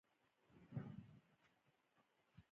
د اسلام په سپیڅلې نوم خلکو ډیرې پیسې وګټلی